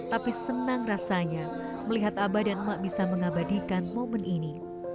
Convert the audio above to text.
tapi senang rasanya melihat abah dan mak bisa mengabadikan momen ini